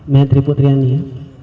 mary putriandi ya